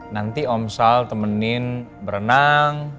nanti om sal temenin berenang